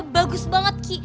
bagus banget ki